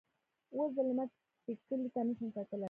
اوس د لمر ټیکلي ته نه شم کتلی.